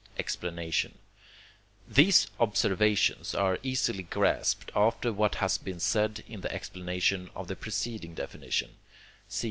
Explanation These observations are easily grasped after what has been said in the explanation of the preceding definition (cf.